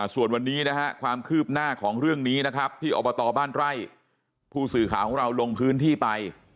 ส่วนวันนี้นะฮะความคืบหน้าของเรื่องนี้นะครับที่อบตบ้านไร่ผู้สื่อข่าวของเราลงพื้นที่ไป